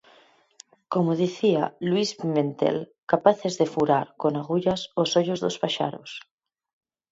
Como dicía Luís Pimentel, capaces de furar con agullas os ollos dos paxaros.